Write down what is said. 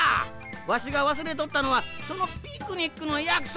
わしがわすれとったのはそのピクニックのやくそくや！